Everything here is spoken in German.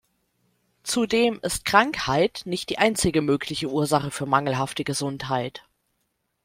Zudem ist Krankheit nicht die einzige mögliche Ursache für mangelhafte Gesundheit.